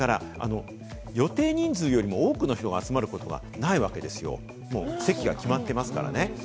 それから予定人数よりも多くの人が集まることがないわけですよ、席が決まってますからね。